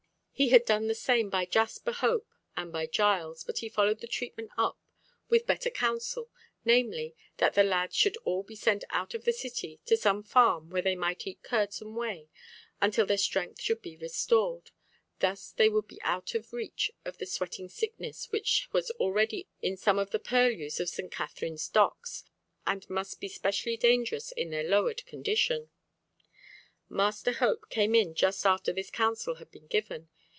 He had done the same by Jasper Hope, and by Giles, but he followed the treatment up with better counsel, namely, that the lads should all be sent out of the City to some farm where they might eat curds and whey, until their strength should be restored. Thus they would be out of reach of the sweating sickness which was already in some of the purlieus of St. Katharine's Docks, and must be specially dangerous in their lowered condition. Master Hope came in just after this counsel had been given.